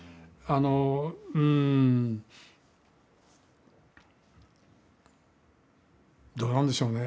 あのうんどうなんでしょうね。